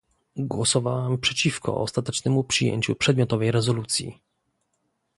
Głosowałam przeciwko ostatecznemu przyjęciu przedmiotowej rezolucji